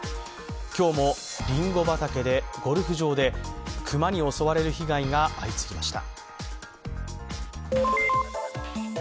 今日も、りんご畑で、ゴルフ場で熊に襲われる被害が相次ぎました。